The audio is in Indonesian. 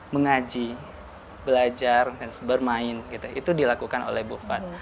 mengaji belajar bermain itu dilakukan oleh bufat